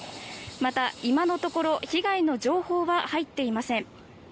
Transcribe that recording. また、今のところ被害の情報は入っていません。